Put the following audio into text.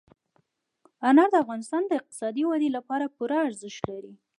انار د افغانستان د اقتصادي ودې لپاره پوره ارزښت لري.